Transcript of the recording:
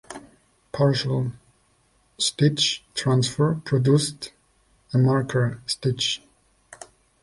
Partial stitch transfer produced a marker stitch.